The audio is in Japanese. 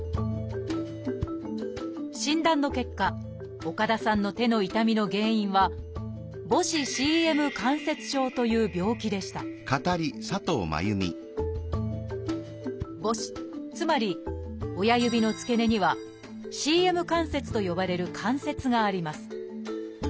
診断の結果岡田さんの手の痛みの原因はという病気でした母指つまり親指の付け根には「ＣＭ関節」と呼ばれる関節があります。